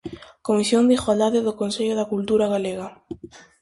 Comisión de Igualdade do Consello da Cultura Galega.